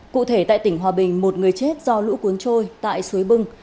cụ thể tại tỉnh hòa bình một người chết do lũ cuốn trôi tại suối bưng